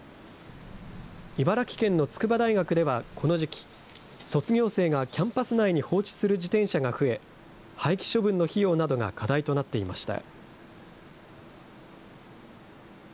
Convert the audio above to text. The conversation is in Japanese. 茨城県の筑波大学ではこの時期、卒業生がキャンパス内に放置する自転車が増え、廃棄処分の費用などが課題となっていました。